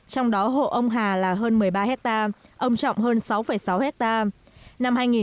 trong đó hộ ông hà là hơn một mươi ba hectare ông trọng hơn sáu sáu hectare